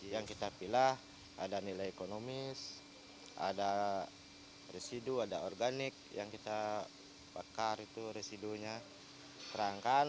yang kita pilih ada nilai ekonomis ada residu ada organik yang kita bakar itu residunya terangkat